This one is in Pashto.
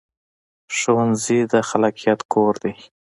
ښوونځی د خلاقیت کور دی